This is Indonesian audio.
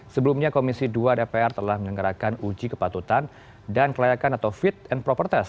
sebelumnya komisi dua dpr telah menyelenggarakan uji kepatutan dan kelayakan atau fit and proper test